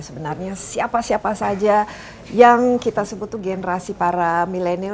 sebenarnya siapa siapa saja yang kita sebut itu generasi para milenial